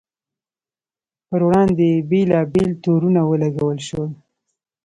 پر وړاندې یې بېلابېل تورونه ولګول شول.